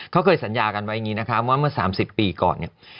เขาเคยสัญญากันไว้อย่างนี้นะคะว่าเมื่อ๓๐ปีก่อนเนี่ย